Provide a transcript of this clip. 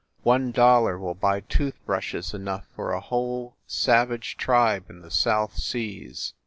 One dollar will buy tooth brushes enough for a whole savage tribe in the South Seas